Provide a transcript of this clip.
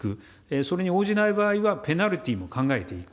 それに応じない場合はペナルティーも考えていく。